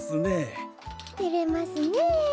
てれますねえ。